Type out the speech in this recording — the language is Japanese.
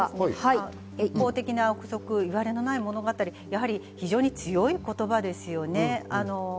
「一方的な臆測」、「謂われのない物語」、非常に強い言葉ですよね。